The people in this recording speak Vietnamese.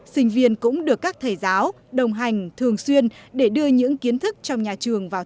sinh viên cũng được các thầy giáo đồng hành thường xuyên để đưa những kiến thức trong nhà trường vào